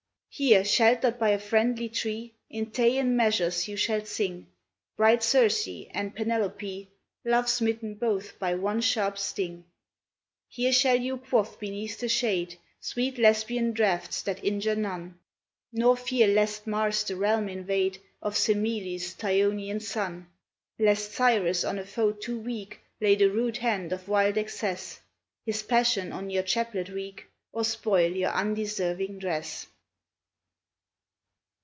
Here, shelter'd by a friendly tree, In Teian measures you shall sing Bright Circe and Penelope, Love smitten both by one sharp sting. Here shall you quaff beneath the shade Sweet Lesbian draughts that injure none, Nor fear lest Mars the realm invade Of Semele's Thyonian son, Lest Cyrus on a foe too weak Lay the rude hand of wild excess, His passion on your chaplet wreak, Or spoil your undeserving dress.